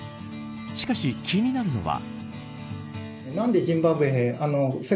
しかし気になるのは。